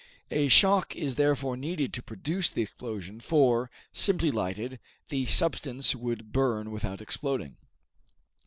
A shock is therefore needed to produce the explosion, for, simply lighted, this substance would burn without exploding.